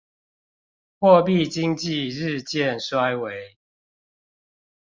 貨幣經濟日漸衰微